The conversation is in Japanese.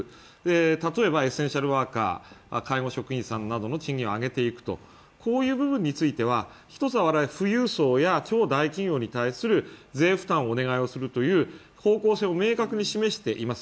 例えばエッセンシャルワーカー介護職員さんなどの賃金を上げていくという部分については１つは富裕層や超大企業に対する税負担をお願いするという、方向性を明確に示しています。